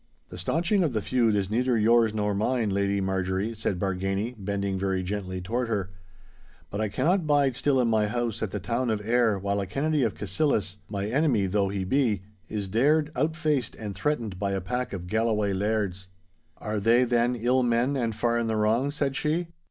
'The staunching of the feud is neither yours nor mine, Lady Marjorie,' said Bargany, bending very gently toward her, 'but I cannot bide still in my house at the town of Ayr while a Kennedy of Cassillis—my enemy though he be—is dared, outfaced, and threatened by a pack of Galloway lairds.' 'Are they, then, ill men and far in the wrong?' said she.